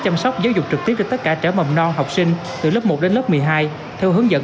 chăm sóc giáo dục trực tiếp cho tất cả trẻ mầm non học sinh từ lớp một đến lớp một mươi hai theo hướng dẫn